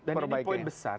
dan ini poin besar